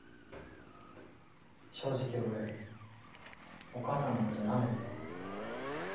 正直俺お母さんのことなめてた。